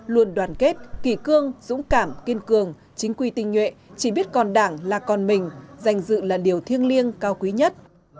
luôn đoàn kết kỷ cương dũng cảm kiên cường chính quy tinh nhuệ chỉ biết còn đảng là còn mình danh dự là điều thiêng liêng cao quý nhất